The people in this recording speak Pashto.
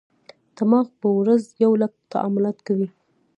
دماغ په ورځ یو لک تعاملات کوي.